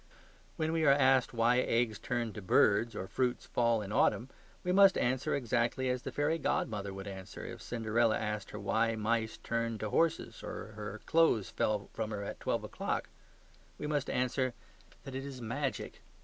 When we are asked why eggs turn to birds or fruits fall in autumn, we must answer exactly as the fairy godmother would answer if Cinderella asked her why mice turned to horses or her clothes fell from her at twelve o'clock. We must answer that it is MAGIC.